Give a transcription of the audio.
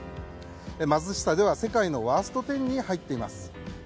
貧しさでは世界のワースト１０に入っています。